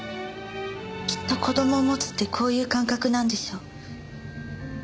きっと子供を持つってこういう感覚なんでしょう。